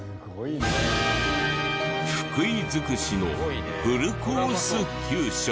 福井尽くしのフルコース給食。